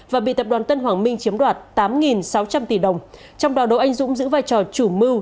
và bị tập đoàn tân hoàng minh chiếm đoạt tám sáu trăm linh tỷ đồng trong đó đỗ anh dũng giữ vai trò chủ mưu